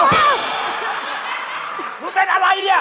นุเซ็นอะไรเนี่ย